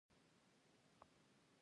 ایا زه باید لوستل وکړم؟